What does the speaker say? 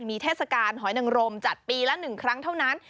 มีเทศกาลหอยนังรมจัดปีละ๑ครั้งเท่านั้น